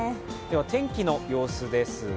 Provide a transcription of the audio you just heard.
天気の様子です。